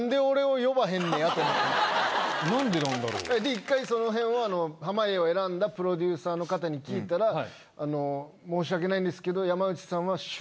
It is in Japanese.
１回その辺を濱家を選んだプロデューサーの方に聞いたら「申し訳ないんですけど」。